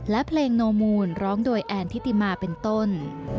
และเพลงโนมูลร้องโดยแอนทิติมาเป็นต้น